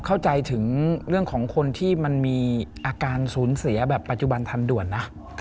เข้าใจถึงเรื่องของคนที่มันมีอาการสูญเสียแบบปัจจุบันทันด่วนนะ